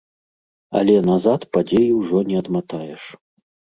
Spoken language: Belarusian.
Але назад падзеі ўжо не адматаеш.